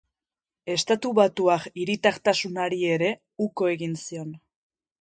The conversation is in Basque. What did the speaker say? Estatubatuar hiritartasunari ere uko egin zion.